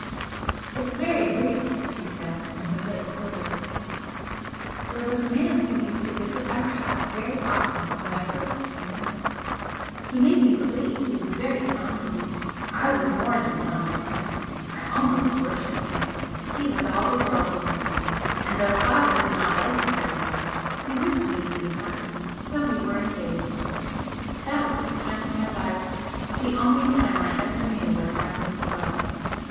"It's very brief," she said, and her lip quivered "There was a man who used to visit our house very often when I first came out, he made me believe he was very fond of me. I was more than fond of him I almost worshipped him. He was all the world to me, and though father did not like him very much he wished me to be happy, so we were engaged. That was the time of my life the only time I ever knew what happiness was.